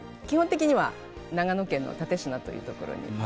基本的には長野県の蓼科というところに。